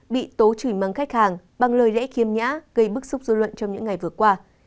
bị tố chửi mắng khách hàng bằng lời rẽ khiêm nhã gây bức xúc dối luận trong những ngày vừa qua